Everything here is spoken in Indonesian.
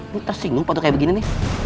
terlalu singgung patut kayak begini nih